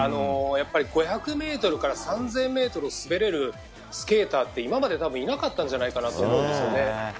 やっぱり５００ｍから３０００ｍを滑れるスケーターって今までいなかったんじゃないかなと思うんですよね。